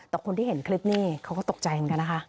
แต่คนที่เห็นคลิปนี้เขาก็ตกใจเหมือนกันนะคะ